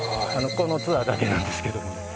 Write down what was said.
このツアーだけなんですけどね。